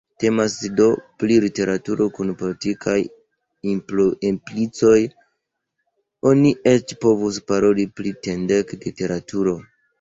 Temas do pri literaturo kun politikaj implicoj, oni eĉ povus paroli pri “tendenc-literaturo”.